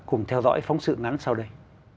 cùng theo dõi phóng sự ngắn sau đây